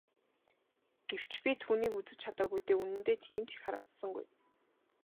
Гэвч би түүнийг үзэж чадаагүй дээ үнэндээ тийм ч их харамссангүй.